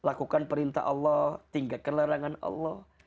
lakukan perintah allah tinggalkan larangan allah